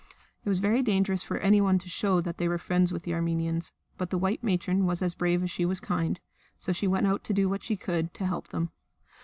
It was very dangerous for anyone to show that they were friends with the Armenians, but the white matron was as brave as she was kind; so she went out to do what she could to help them.